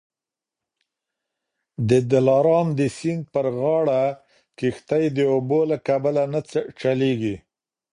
د دلارام د سیند پر غاړه کښتۍ د اوبو له کبله نه چلیږي